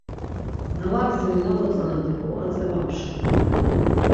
Na va gdziri nak̆o tzana diqu atzi va mşuns.